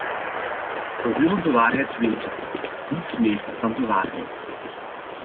We willen de waarheid weten, niets meer dan de waarheid.